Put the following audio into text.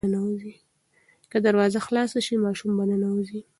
که دروازه خلاصه شي ماشوم به ننوځي.